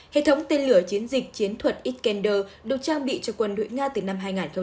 hệ thống tên lửa chiến dịch chiến thuật iskander được trang bị cho quân đội nga từ năm hai nghìn sáu